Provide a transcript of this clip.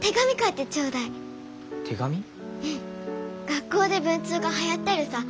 学校で文通がはやってるさ。